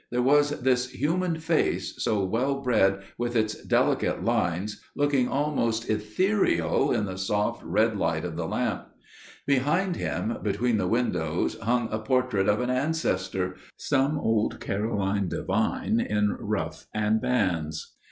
There was this human face, so well bred, with its delicate lines, looking almost ethereal in the soft red light of the lamp: behind him, between the windows hung a portrait of an ancestor, some old Caroline divine in ruff and bands.